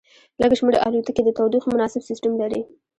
لږ شمیر الوتکې د تودوخې مناسب سیستم لري